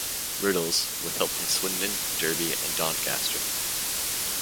Riddles, with help from Swindon, Derby and Doncaster.